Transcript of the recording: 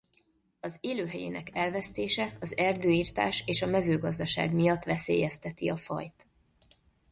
Az élőhelyének elvesztése az erdőirtás és a mezőgazdaság miatt veszélyezteti a fajt.